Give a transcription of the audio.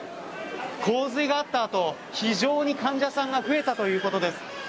洪水があった後非常に患者さんが増えたということです。